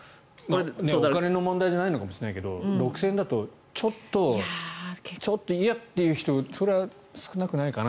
お金の問題じゃないのかもしれないけど６０００円だとちょっと、いやという人が少なくないかなと。